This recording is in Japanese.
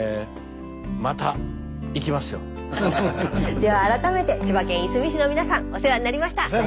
では改めて千葉県いすみ市の皆さんお世話になりました。